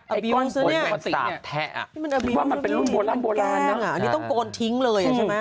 ไอ้ก้อนปลอดศัตริย์เนี่ยคิดว่ามันเป็นรุ่นบวนล่ำบวนล่ำอันนี้ต้องโกนทิ้งเลยใช่ไหม